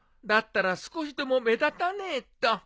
だったら少しでも目立たねえと。